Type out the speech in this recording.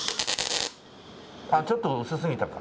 ちょっと薄すぎたか。